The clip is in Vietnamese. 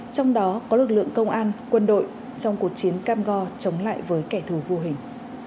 trong đó có lực lượng công an quân đội trong cuộc chiến cam go chống lại với kẻ thù vô hình